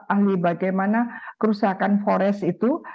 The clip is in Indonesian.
ahli bagaimana kerusakan forest itu